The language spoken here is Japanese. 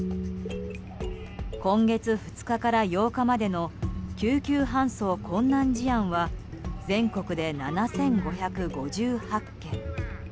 今月２日から８日までの救急搬送困難事案は全国で７５５８件。